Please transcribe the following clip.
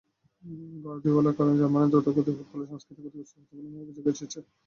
গার্দিওলার কারণে জার্মানির দ্রুতগতির ফুটবল সংস্কৃতিই ক্ষতিগ্রস্ত হচ্ছে বলেও অভিযোগ এসেছে।